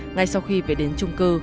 ngay sau khi về đến trung cư